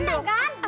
nih lihat lihat